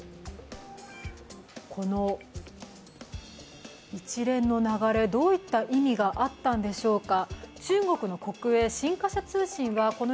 この一連の流れ、どういった意味があったんでしょうか。